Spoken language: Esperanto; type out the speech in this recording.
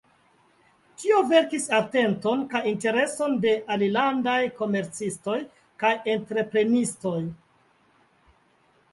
Tio vekis atenton kaj intereson de alilandaj komercistoj kaj entreprenistoj.